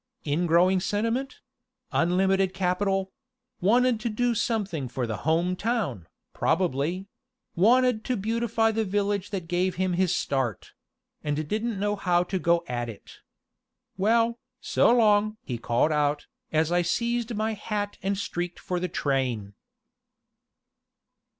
"Ingrowing sentiment unlimited capital wanted to do something for the Home Town, probably; wanted to beautify the village that gave him his start and didn't know how to go at it. Well, so long!" he called out, as I seized my hat and streaked for the train.